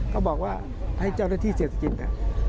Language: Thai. เขาบอกว่าให้เจ้าหน้าที่เสียอภิกษ์